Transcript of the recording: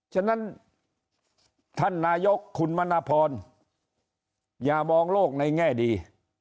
ฉะนั้นท่านนายกคุณมณพรอย่ามองโลกในแง่ดี